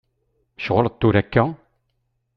Mecɣuleḍ tura akka?